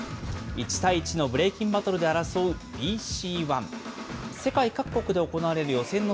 １対１のブレイキンバトルで争うＢＣＯＮＥ。